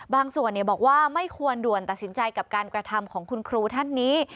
บางส่วนบอกว่าไม่ควรด่วนตัดสินใจกับการกระทำของคุณครูท่านนี้